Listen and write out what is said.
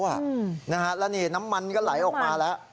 แล้วนี่น้ำมันก็ไหลออกมาแล้ว